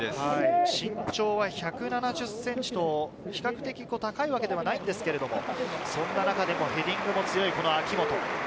身長は１７０ｃｍと比較的高いわけではないんですけども、そんな中でもヘディングも強い明本。